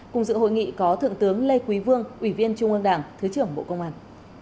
cùng dự hội nghị có thượng tướng lê quý vương ủy viên trung ương đảng thứ trưởng bộ công an